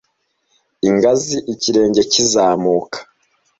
ingazi ikirenge kizamuka